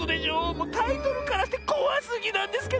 もうタイトルからしてこわすぎなんですけど！